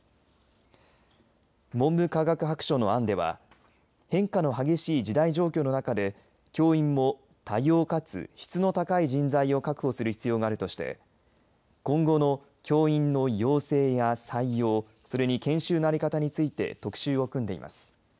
文部科学白書の案では変化の激しい時代状況の中で教員も多様かつ質の高い人材を確保する必要があるとして今後の教員の養成や採用それに研修の在り方について特集を組んでいます。